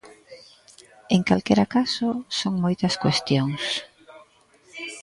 En calquera caso, son moitas cuestións.